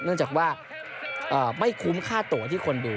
เนื่องจากว่าไม่คุ้มค่าตัวที่คนดู